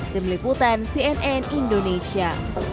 demi liputan cnn indonesia